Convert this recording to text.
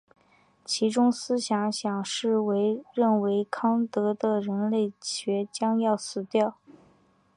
其中心思想是认为康德的人类学将要死掉。